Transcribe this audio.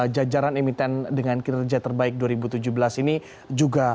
jajaran emiten dengan kinerja terbaik dua ribu tujuh belas ini juga